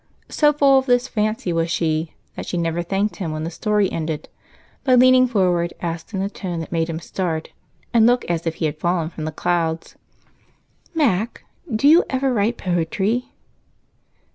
So full of this fancy was she that she never thanked him when the story ended but, leaning forward, asked in a tone that made him start and look as if he had fallen from the clouds: "Mac, do you ever write poetry?"